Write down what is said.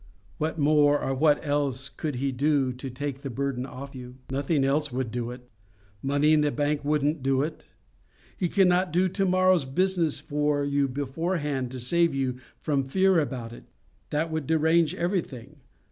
What more or what else could He do to take the burden off you? Nothing else would do it. Money in the bank wouldn't do it. He cannot do to morrow's business for you beforehand to save you from fear about it. That would derange everything.